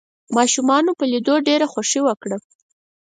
ماشومانو په ليدو ډېره خوښي وکړه.